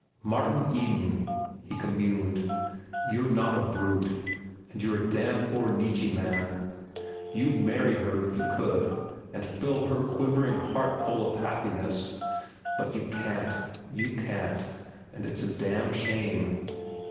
"Martin Eden," he communed. "You're not a brute, and you're a damn poor Nietzscheman. You'd marry her if you could and fill her quivering heart full with happiness. But you can't, you can't. And it's a damn shame."